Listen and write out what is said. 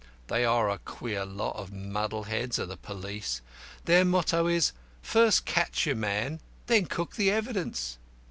"They are a queer lot of muddle heads, are the police. Their motto is, 'First catch your man, then cook the evidence.'